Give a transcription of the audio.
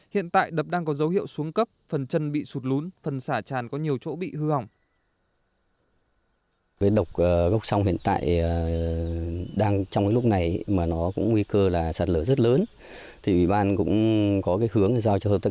hiện tại đập đang có dấu hiệu xuống cấp phần chân bị sụt lún phần xả tràn có nhiều chỗ bị hư hỏng